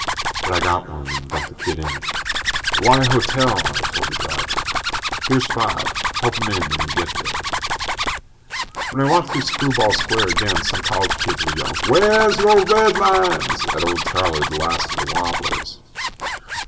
But I got one and dumped the kid in. "The Y Hotel," I told the driver. "Here's five. Help him in when you get there." When I walked through Screwball Square again, some college kids were yelling "wheah's your redlines" at old Charlie, the last of the Wobblies.